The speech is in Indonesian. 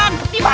di mana di mana